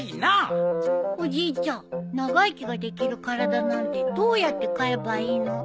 おじいちゃん「長生きができる体」なんてどうやって買えばいいの？